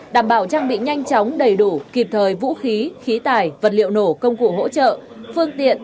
đảm bảo trang bị nhanh chóng đầy đủ kịp thời vũ khí khí tài vật liệu nổ công cụ hỗ trợ phương tiện